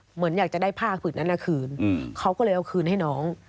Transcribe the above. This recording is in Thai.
เหมือนอยากจะได้ผ้าผืดนั้นคืนเขาก็เลยเอาคืนให้น้อง